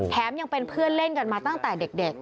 ยังเป็นเพื่อนเล่นกันมาตั้งแต่เด็ก